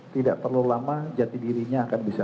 tidak terlalu lama jati dirinya akan bisa